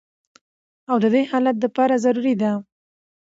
او د دې حالت د پاره ضروري ده